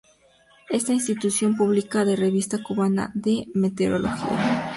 Esta institución publica la "Revista Cubana de Meteorología".